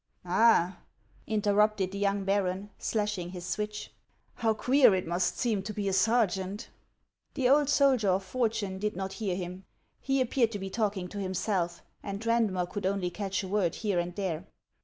"All!" interrupted the young baron, slashing his switch, " how queer it must seem to be a sergeant." The old soldier of fortune did not hear him ; he ap peared to be talking to himself, and Eaudmer could only catch a word here and there.